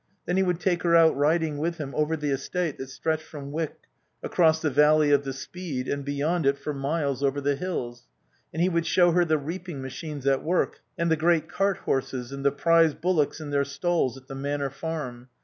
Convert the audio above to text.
Then he would take her out riding with him over the estate that stretched from Wyck across the valley of the Speed and beyond it for miles over the hills. And he would show her the reaping machines at work, and the great carthorses, and the prize bullocks in their stalls at the Manor Farm.